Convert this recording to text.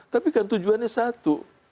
tapi kan tujuannya satu